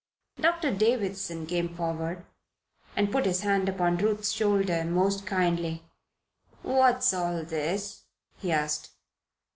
Doctor Davison came forward and put his hand upon Ruth's shoulder most kindly. "What is all this?" he asked.